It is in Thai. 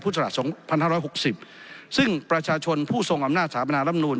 ผู้จักรสมภาษา๖๐ซึ่งประชวนผู้ทรงอำนาจสถาปนารัฐธรรมนูล